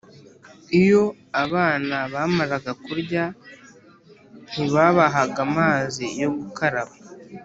Iyo abana bamaraga kurya ntibabahaga amazi yo gukaraba;